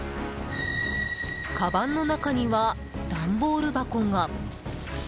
かばんの中にはダンボール箱が。